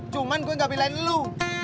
cuman gue gak belain lu